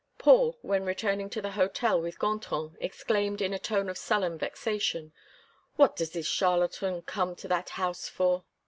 Paul, when returning to the hotel with Gontran, exclaimed in a tone of sullen vexation: "What does this charlatan come to that house for?"